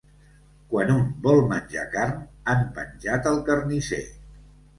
Quan un vol menjar carn, han penjat al carnisser.